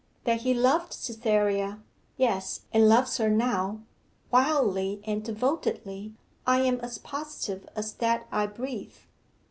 'That he loved Cytherea yes and loves her now, wildly and devotedly, I am as positive as that I breathe.